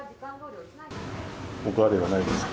お変わりはないですか？